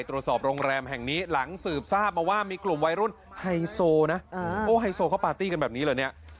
ตรวจสอบโรงแรมแห่งนี้หลังสืบทราบมาว่ามีกลุ่มวัยรุ่นไฮโซนะโอ้ไฮโซเขาปาร์ตี้กันแบบนี้เหรอเนี่ย